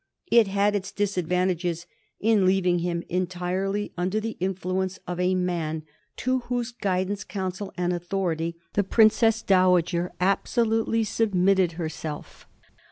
It had its disadvantages in leaving him entirely under the influence of a man to whose guidance, counsel, and authority the Princess Dowager absolutely submitted herself.